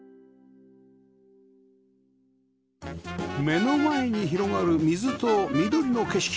目の前に広がる水と緑の景色